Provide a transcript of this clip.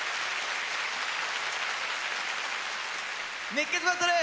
「熱血バトル」！